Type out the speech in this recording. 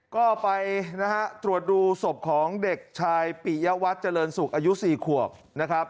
ก็ไปนะฮะตรวจดูศพของเด็กชายปิยวัตรเจริญสุขอายุ๔ขวบนะครับ